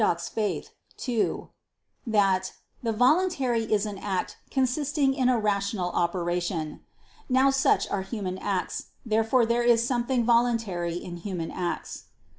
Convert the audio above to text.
ii) that "the voluntary is an act consisting in a rational operation." Now such are human acts. Therefore there is something voluntary in human acts.